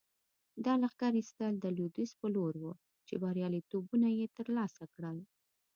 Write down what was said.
دا لښکر ایستل د لویدیځ په لور وو چې بریالیتوبونه یې ترلاسه کړل.